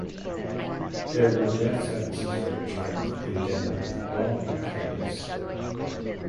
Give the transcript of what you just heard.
There were death sentences for witchcraft in Denmark long after this.